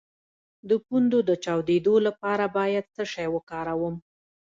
د پوندو د چاودیدو لپاره باید څه شی وکاروم؟